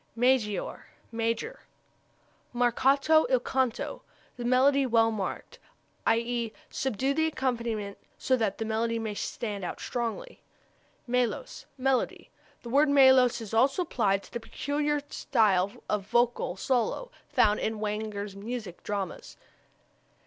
Maggiore major. Marcato il canto the melody well marked; i.e., subdue the accompaniment so that the melody may stand out strongly. Melos melody. This word melos is also applied to the peculiar style of vocal solo found in Wagner's music dramas.